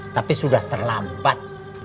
tapi sudah terlambat